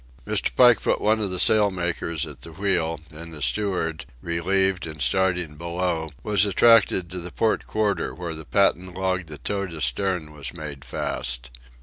Mr. Pike put one of the sail makers at the wheel, and the steward, relieved and starting below, was attracted to the port quarter, where the patent log that towed astern was made fast.